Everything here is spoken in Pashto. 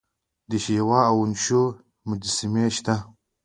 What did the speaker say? د شیوا او وشنو مجسمې شته